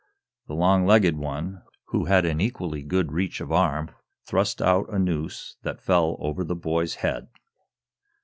The long legged one, who had an equally good reach of arm, thrust out a noose that fell over the boy's head.